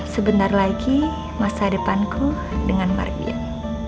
sebentar lagi masa depanku dengan margin